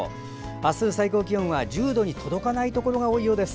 明日最高気温は１０度に届かないところが多いようです。